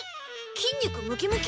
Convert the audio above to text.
筋肉ムキムキ？